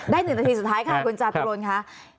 ได้๑นาทีสุดท้ายค่ะทรุนจาศัตริย์ตรวนค่ะ